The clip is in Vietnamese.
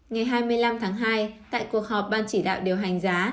ngày hai mươi năm tháng hai tại cuộc họp ban chỉ đạo điều hành giá